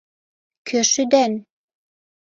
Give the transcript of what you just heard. Кӧ шӱден?..